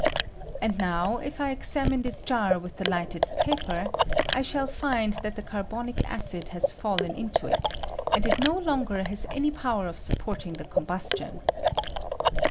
And now, if I examine this jar with the lighted ta per, I shall find that the carbonic acid has fallen I DENSnr OF CAEBONIC ACID. 151 into it, and it no longer has any power of sup porting the combustion.